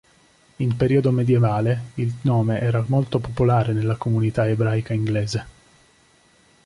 In periodo medievale, il nome era molto popolare nella comunità ebraica inglese.